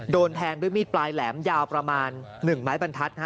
โดนแทงด้วยมีดปลายแหลมยาวประมาณ๑ไม้บรรทัศน์